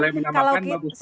boleh menambahkan mbak bufat